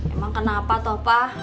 emang kenapa toh pa